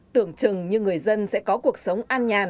tưởng chừng như người dân sẽ có cuộc sống